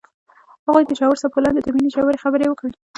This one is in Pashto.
هغوی د ژور څپو لاندې د مینې ژورې خبرې وکړې.